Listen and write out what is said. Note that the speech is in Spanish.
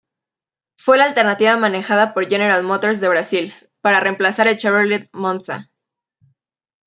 Fue la alternativa manejada por General Motors de Brasil, para reemplazar al Chevrolet Monza.